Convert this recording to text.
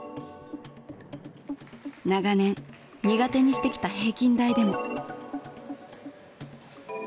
長年苦手にしてきた平均台でも。